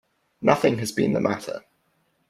Nothing has been the matter.